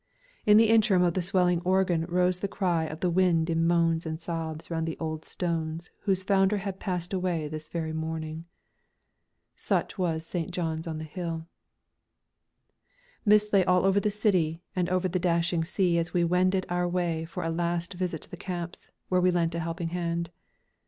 In the interim of the swelling organ rose the cry of the wind in moans and sobs round the old stones whose founder had passed away this very morning. Such was St. John's on the Hill. Mists lay all over the city and over the dashing sea as we wended our way for a last visit to the camps, where we lent a helping hand.